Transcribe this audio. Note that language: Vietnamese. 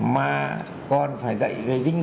mà còn phải dạy về dinh dục